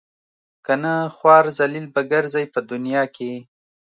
کنه خوار ذلیل به ګرځئ په دنیا کې.